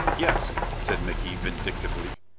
"Yes," said Micky, vindictively.